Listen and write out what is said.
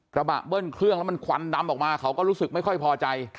เบะเบิ้ลเครื่องแล้วมันควันดำออกมาเขาก็รู้สึกไม่ค่อยพอใจ